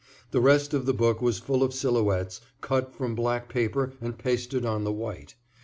The rest of the book was full of silhouettes, cut from black paper and pasted on the white.